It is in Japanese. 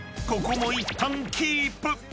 ［ここもいったんキープ！